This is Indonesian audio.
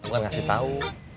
gue kasih tau